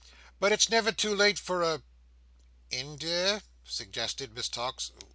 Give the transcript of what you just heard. But it's never too late for a—" "Indi—" suggested Miss Tox.